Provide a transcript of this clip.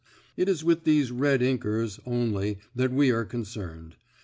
It is with these red inkers only that we are concerned.